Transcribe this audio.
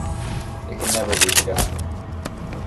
It never can be forgotten.